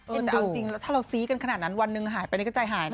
แต่เอาจริงแล้วถ้าเราซี้กันขนาดนั้นวันหนึ่งหายไปนี่ก็ใจหายนะ